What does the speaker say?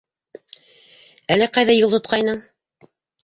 Әле ҡайҙа юл тотҡайның?